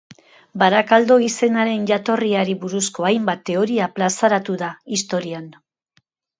Barakaldo izenaren jatorriari buruzko hainbat teoria plazaratu da, historian